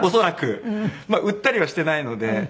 売ったりはしてないので。